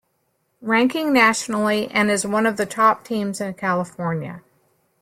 Ranking Nationally and is one of the top teams in California.